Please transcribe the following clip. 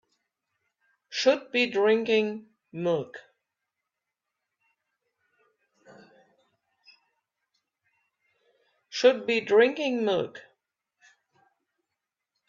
Should be drinking milk.